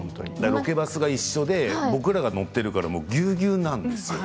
ロケバスが一緒で僕らも乗っているからぎゅうぎゅうなんですよ。